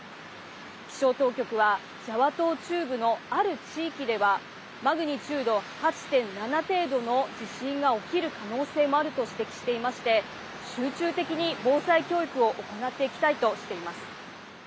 気象当局はジャワ島中部の、ある地域ではマグニチュード８．７程度の地震が起きる可能性もあると指摘していまして集中的に防災教育を行っていきたいとしています。